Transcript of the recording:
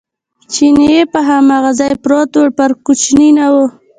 چیني په هماغه ځای پروت و، پر کوچې نه و.